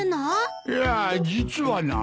いやあ実はな。